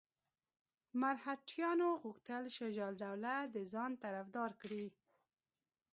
مرهټیانو غوښتل شجاع الدوله د ځان طرفدار کړي.